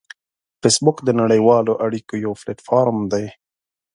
فېسبوک د نړیوالو اړیکو یو پلیټ فارم دی